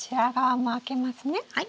はい。